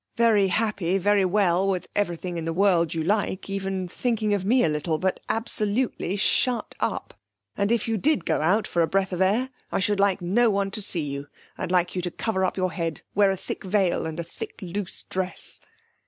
Very happy, very well, with everything in the world you like, even thinking of me a little, but absolutely shut up! And if you did go out, for a breath of air, I should like no one to see you. I'd like you to cover up your head wear a thick veil and a thick loose dress!'